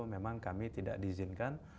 memang kami tidak diizinkan